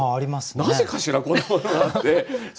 なぜかしらこんなものがあって。